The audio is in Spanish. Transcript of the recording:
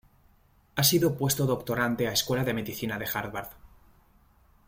Ha sido puesto-doctorante a Escuela de Medicina de Harvard.